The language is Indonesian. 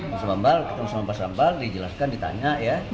mas bambal ketemu sama pak sambal dijelaskan ditanya ya